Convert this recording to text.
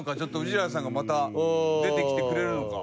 氏原さんがまた出てきてくれるのか？